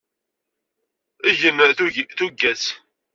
Eg-nn tuggas.